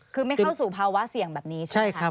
คือไม่เข้าสู่ภาวะเสี่ยงแบบนี้ใช่ไหมคะ